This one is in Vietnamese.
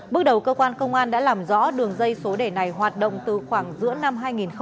bước đầu cơ quan công an đã làm rõ đường dây số đề này hoạt động từ khoảng giữa năm hai nghìn một mươi hai